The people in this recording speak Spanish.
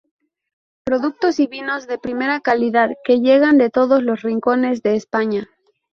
Productos y vinos de primera calidad que llegan de todos los rincones de España.